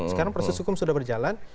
sekarang proses hukum sudah berjalan